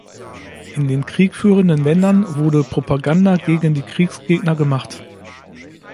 In den kriegführenden Ländern wurde Propaganda gegen die Kriegsgegner gemacht.